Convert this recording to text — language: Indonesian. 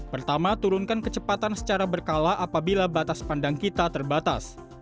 pertama turunkan kecepatan secara berkala apabila batas pandang kita terbatas